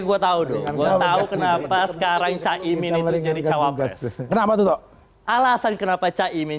gue tahu dong gue tahu kenapa sekarang cah imin itu jadi cawapres kenapa tuh alasan kenapa cah imin